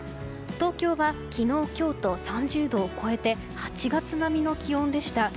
東京は昨日今日と３０度を超えて８月並みの気温でした。